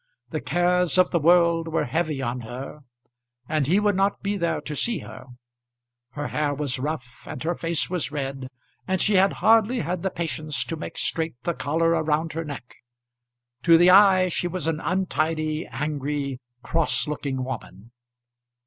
The cares of the world were heavy on her, and he would not be there to see her. Her hair was rough, and her face was red, and she had hardly had the patience to make straight the collar round her neck. To the eye she was an untidy, angry, cross looking woman.